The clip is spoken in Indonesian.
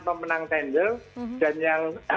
pemenang tendel dan yang